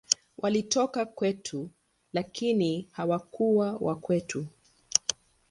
Walitoka kwetu, lakini hawakuwa wa kwetu.